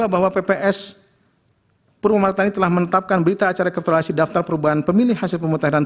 bahwa pps purwomartani telah menetapkan berita acara rekretulasi daftar perubahan pemilih hasil pemutahanan